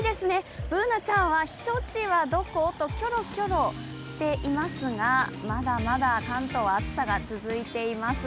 Ｂｏｏｎａちゃんは避暑地はどこ？とキョロキョロしていますがまだまだ関東、暑さが続いています。